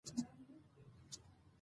مارانو پکې ژر ژر پوستکي اچول.